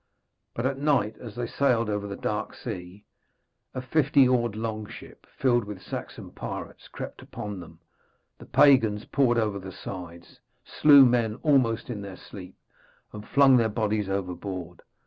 But at night, as they sailed over the dark sea, a fifty oared longship, filled with Saxon pirates, crept upon them; the pagans poured over the sides, slew men almost in their sleep, and flung their bodies overboard.